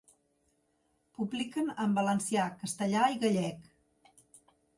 Publiquen en valencià, castellà i gallec.